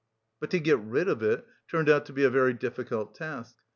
But to get rid of it, turned out to be a very difficult task.